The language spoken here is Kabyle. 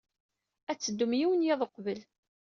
Ad teddum yiwen n yiḍ uqbel.